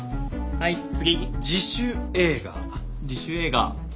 はい次。